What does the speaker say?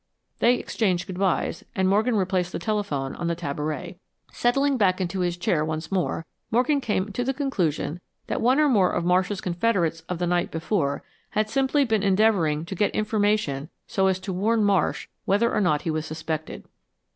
They exchanged good byes, and Morgan replaced the telephone on the tabouret. Settling back into his chair once more, Morgan came to the conclusion that one or more of Marsh's confederates of the night before had simply been endeavoring to get information so as to warn Marsh whether or not he was suspected.